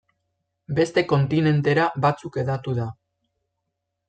Beste kontinentera batzuk hedatu da.